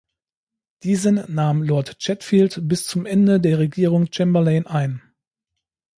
Diesen nahm Lord Chatfield bis zum Ende der Regierung Chamberlain ein.